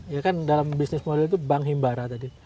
ya kan dalam bisnis model itu bank himbara tadi